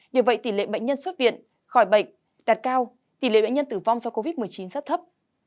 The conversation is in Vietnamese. nhờ vậy tỷ lệ bệnh nhân xuất viện khỏi bệnh đạt cao tỷ lệ bệnh nhân tử vong do covid một mươi chín rất thấp